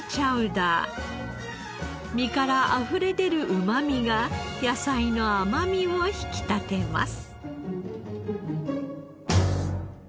身からあふれ出るうまみが野菜の甘みを引き立てます。